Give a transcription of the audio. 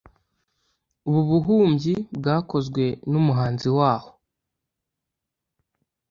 Ubu bubumbyi bwakozwe numuhanzi waho.